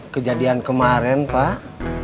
kejadian kemarin pak